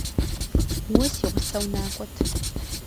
Уэ си гъусэу накӀуэт.